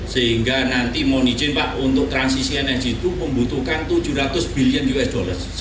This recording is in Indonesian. sehingga nanti mohon izin pak untuk transisi energi itu membutuhkan tujuh ratus billion usd